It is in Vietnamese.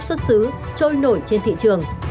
gốc xuất xứ trôi nổi trên thị trường